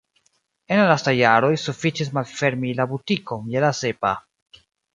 En la lastaj jaroj sufiĉis malfermi la butikon je la sepa.